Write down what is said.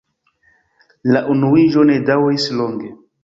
La unuiĝo ne daŭris longe.